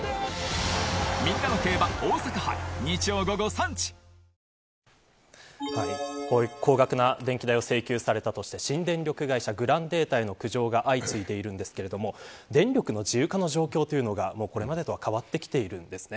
三菱電機高額な電気代を請求されたとして新電力会社グランデータへの苦情が相次いでいるんですけれども電力の自由化の状況というのがこれまでとは変わってきているんです。